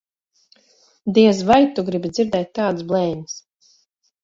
Diez vai tu gribi dzirdēt tādas blēņas.